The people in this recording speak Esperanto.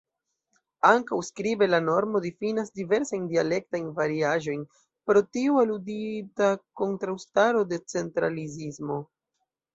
Ankaŭ skribe la normo difinas diversajn dialektajn variaĵojn, pro tiu aludita kontraŭstaro de centralizismo.